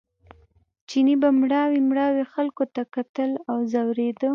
چیني به مړاوي مړاوي خلکو ته کتل او ځورېده.